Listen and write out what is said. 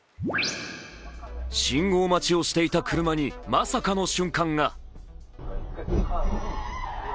信号待ちをしていた車にまさかの瞬間が。